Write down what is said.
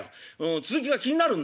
続きが気になるんだよ。